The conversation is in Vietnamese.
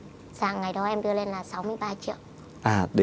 dạ ngày đó em đưa lên là sáu mươi ba triệu